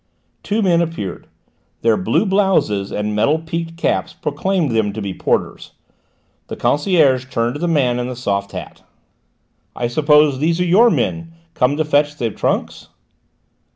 Two men appeared; their blue blouses and metal peaked caps proclaimed them to be porters. The concierge turned to the man in the soft hat. "I suppose these are your men, come to fetch the trunks?"